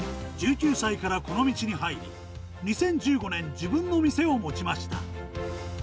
１９歳からこの道に入り、２０１５年、自分の店を持ちました。